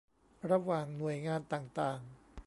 ระหว่างหน่วยงานต่างต่าง